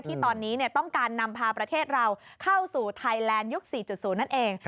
ที่ตอนนี้ต้องการนำพาประเทศเราเข้าสู่ไทยแลนด์ยุค๔๐นั่นเอง